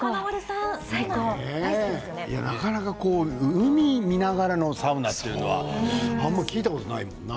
海を見ながらのサウナというのはあまり聞いたことがないもんな。